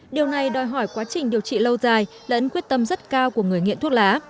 điều này đòi hỏi quá trình điều trị lâu dài lẫn quyết tâm rất cao của người nghiện thuốc lá